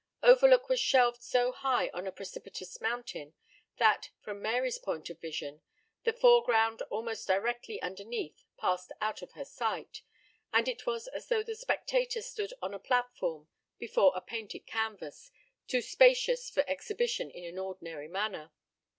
Overlook was shelved so high on a precipitous mountain that, from Mary's point of vision, the foreground almost directly underneath passed out of her sight, and it was as though the spectator stood on a platform before a painted canvas, too spacious for exhibition in an ordinary manner.